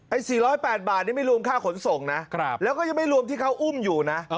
๔๐๘บาทนี่ไม่รวมค่าขนส่งนะแล้วก็ยังไม่รวมที่เขาอุ้มอยู่นะ